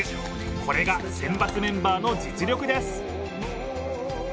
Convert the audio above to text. これが選抜メンバーの実力です。